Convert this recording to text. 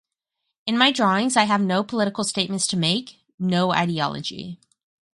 In my drawings I have no political statements to make, no ideology.